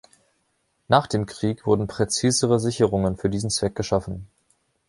Nach dem Krieg wurden präzisere Sicherungen für diesen Zweck geschaffen.